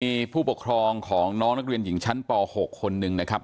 มีผู้ปกครองของน้องนักเรียนหญิงชั้นป๖คนหนึ่งนะครับ